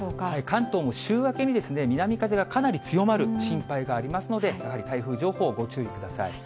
関東も週明けに南風がかなり強まる心配がありますので、やはり台風情報、ご注意ください。